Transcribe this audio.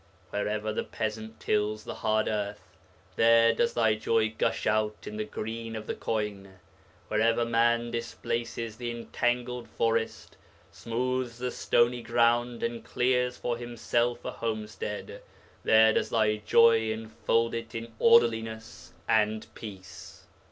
Wherever the peasant tills the hard earth, there does thy joy gush out in the green of the corn; wherever man displaces the entangled forest, smooths the stony ground, and clears for himself a homestead, there does thy joy enfold it in orderliness and peace.